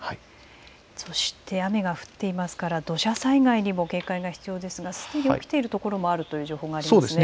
そして雨が降っていますから土砂災害にも警戒が必要ですが、すでに起きているという情報がありますね。